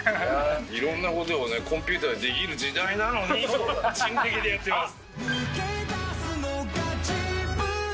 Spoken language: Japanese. いろんなことをコンピューターでできる時代なのに、人力でやってます。